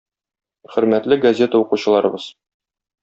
Хөрмәтле газета укучыларыбыз!